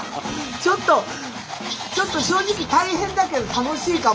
ちょっとちょっと正直大変だけど楽しいかも。